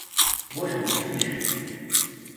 Moi, je m’en fiche !